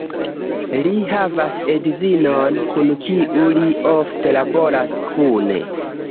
Li havas edzinon, kun kiu li ofte laboras kune.